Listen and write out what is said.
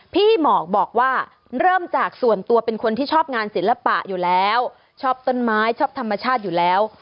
หมอกบอกว่าเริ่มจากส่วนตัวเป็นคนที่ชอบงานศิลปะอยู่แล้วชอบต้นไม้ชอบธรรมชาติอยู่แล้ว